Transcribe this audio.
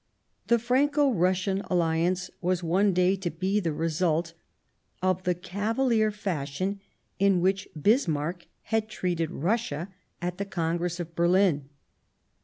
The Franco Russian alliance was one day to be the result of the cavalier fashion in which Bismarck had treated Russia at the Congress of Berlin.